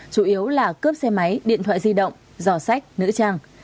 chủ yếu là cướp xe máy điện thoại di động giò sách nữ trang